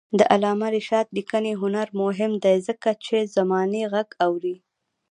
د علامه رشاد لیکنی هنر مهم دی ځکه چې زمانې غږ اوري.